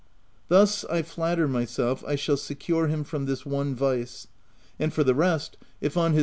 Thus, I flatter myself, I shall secure him from this one vice ; and for the rest, if on his OF WILDFELL HALL.